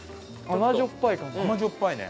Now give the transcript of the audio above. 甘じょっぱいね！